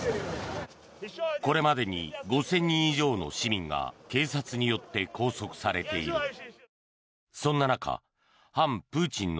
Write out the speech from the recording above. これまでに５０００人以上の市民が警察によって拘束されている。